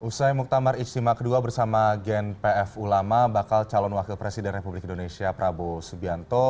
usai muktamar istimewa ii bersama gen pf ulama bakal calon wakil presiden republik indonesia prabowo subianto